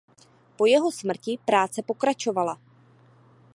Po jeho smrti práce pokračovala.